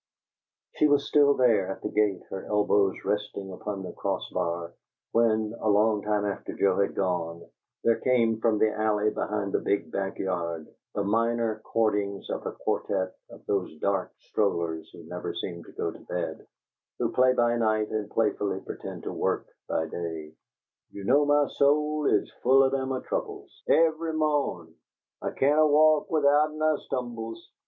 She was still there, at the gate, her elbows resting upon the cross bar, when, a long time after Joe had gone, there came from the alley behind the big back yard the minor chordings of a quartette of those dark strollers who never seem to go to bed, who play by night and playfully pretend to work by day: "You know my soul is a full o' them a trub bils, Ev ry mawn! I cain' a walk withouten I stum bils!